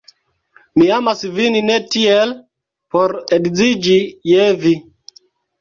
Mi amas vin ne tiel, por edziĝi je vi.